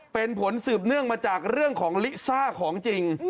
เป็นผลสืบเนื่องมาจากเรื่องของลิซ่าของจริง